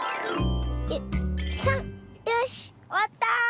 よしおわった！